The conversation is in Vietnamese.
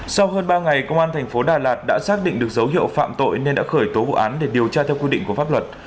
sau hơn ba ngày công an thành phố đà lạt đã xác định được dấu hiệu phạm tội nên đã khởi tố vụ án để điều tra theo quy định của pháp luật